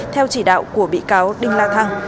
theo chỉ đạo của bị cáo đinh la thăng